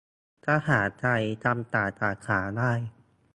- ทหารไทย ทำต่างสาขาได้